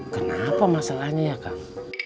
kenapa masalahnya ya kang